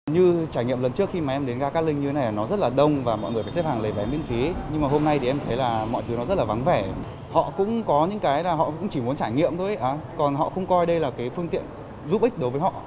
như trải nghiệm lần trước khi mà em đến ga cát linh như thế này nó rất là đông và mọi người phải xếp hàng lấy vé miễn phí nhưng mà hôm nay thì em thấy là mọi thứ nó rất là vắng vẻ họ cũng có những cái là họ cũng chỉ muốn trải nghiệm thôi còn họ không coi đây là cái phương tiện giúp ích đối với họ